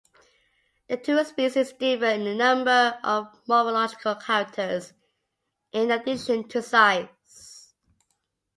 The two species differ in a number of morphological characters in addition to size.